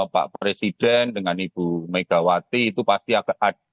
pak presiden dengan ibu megawati itu pasti agak